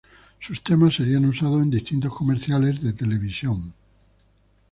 Sus temas serían usados en distintos comerciales de televisión.